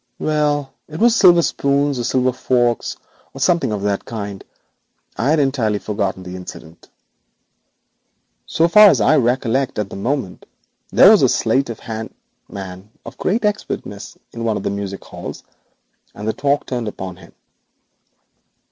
'Well, it was silver spoons or silver forks, or something of that kind. I had entirely forgotten the incident. So far as I recollect at the moment there was a sleight of hand man of great expertness in one of the music halls, and the talk turned upon him.